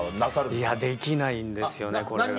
いやできないんですよねこれが。